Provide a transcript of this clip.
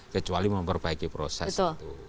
kecuali memperbaiki proses itu